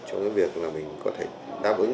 trong cái việc là mình có thể đáp ứng